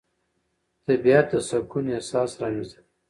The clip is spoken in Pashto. طبیعت د سکون احساس رامنځته کوي